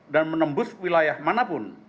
dan menembus wilayah manapun